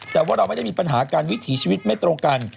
แต่ว่าเราไม่ได้มีปัญหาการวิถีชีวิตไม่ตรงกัน